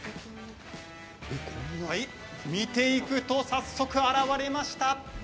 見ていくと、早速現れました。